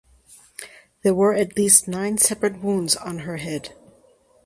There were at least nine separate wounds on her head.